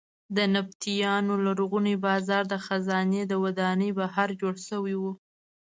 د نبطیانو لرغونی بازار د خزانې د ودانۍ بهر جوړ شوی و.